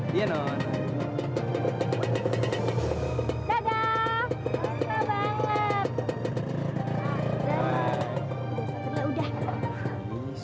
kita ketemu di kampus